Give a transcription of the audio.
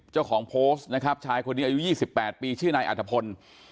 เจ้าของโพสต์นะครับชายคนนี้อายุ๒๘ปีชื่อนายอัฐพล